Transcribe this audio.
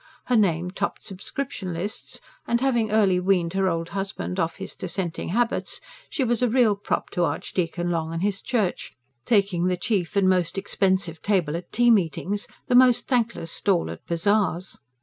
Her name topped subscription lists, and, having early weaned her old husband of his dissenting habits, she was a real prop to Archdeacon Long and his church, taking the chief and most expensive table at tea meetings, the most thankless stall at bazaars.